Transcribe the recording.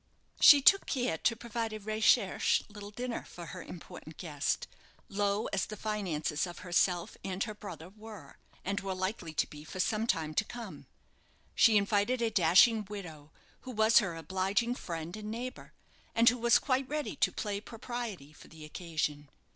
She took care to provide a recherché little dinner for her important guest, low as the finances of herself and her brother were and were likely to be for some time to come. She invited a dashing widow, who was her obliging friend and neighbour, and who was quite ready to play propriety for the occasion.